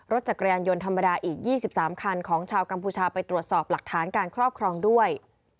จักรยานยนต์ธรรมดาอีก๒๓คันของชาวกัมพูชาไปตรวจสอบหลักฐานการครอบครองด้วย